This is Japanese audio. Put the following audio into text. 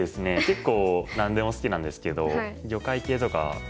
結構何でも好きなんですけど魚介系とか好きです。